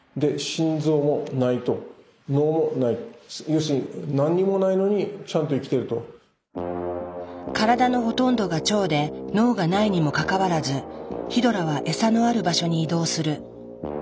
要するに体のほとんどが腸で脳がないにもかかわらずヒドラはエサのある場所に移動する。